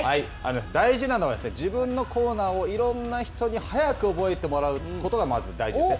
大事なのは自分のコーナーをいろんな人に早く覚えてもらうことがまず大事ですね。